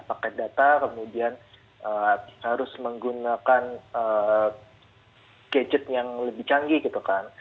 paket data kemudian harus menggunakan gadget yang lebih canggih gitu kan